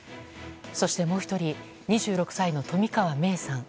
そして、もう１人２６歳の冨川芽生さん。